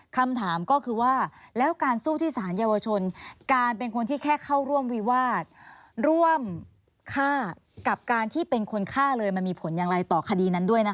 คำถามก็คือว่าแล้วการสู้ที่สารเยาวชนการเป็นคนที่แค่เข้าร่วมวิวาสร่วมฆ่ากับการที่เป็นคนฆ่าเลยมันมีผลอย่างไรต่อคดีนั้นด้วยนะคะ